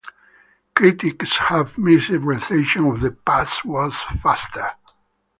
Critics have mixed reception on "The Past Was Faster".